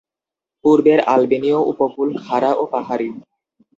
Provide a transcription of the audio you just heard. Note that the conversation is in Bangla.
পূর্বের আলবেনীয় উপকূল খাড়া ও পাহাড়ি।